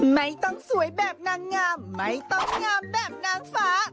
ไม่ต้องสวยแบบนางงามไม่ต้องงามแบบนางฟ้า